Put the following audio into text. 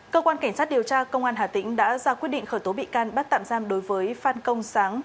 cơ quan cảnh sát điều tra công an hà tĩnh đã ra quyết định khởi tố bị can bắt tạm giam đối với phan công sáng